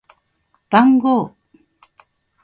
番号